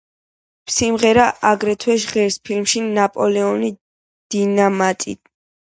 სიმღერა აგრეთვე ჟღერს ფილმში „ნაპოლეონი დინამიტი“.